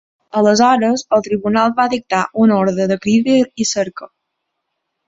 Aleshores, el tribunal va dictar una ordre de crida i cerca.